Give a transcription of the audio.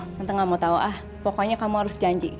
tante gak mau tau ah pokoknya kamu harus janji